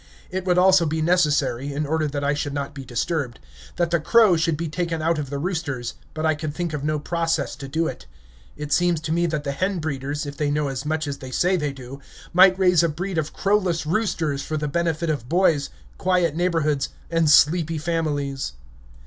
It would also be necessary, in order that I should not be disturbed, that the crow should be taken out of the roosters, but I could think of no process to do it. It seems to me that the hen breeders, if they know as much as they say they do, might raise a breed of crowless roosters for the benefit of boys, quiet neighborhoods, and sleepy families.